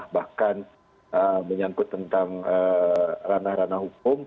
bahkan menyangkut tentang ranah ranah hukum